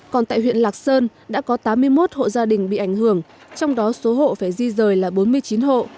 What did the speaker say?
còn tại huyện lạc sơn đã có tám mươi một hộ gia đình bị ảnh hưởng trong đó số hộ phải di rời là bốn mươi chín hộ